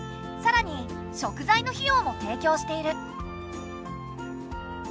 さらに食材の費用も提供している。